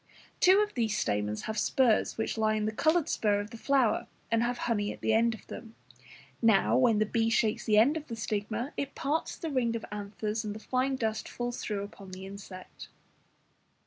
Two of these stamens have spurs which lie in the coloured spur of the flower, and have honey at the end of them. Now, when the bee shakes the end of the stigma, it parts the ring of anthers, and the fine dust falls through upon the insect.